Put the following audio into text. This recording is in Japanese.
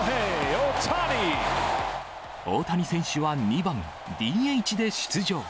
大谷選手は２番ＤＨで出場。